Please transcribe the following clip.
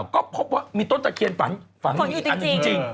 ก็เพราะว่ามีต้นที่จะเขียนฝันอีกอันจริง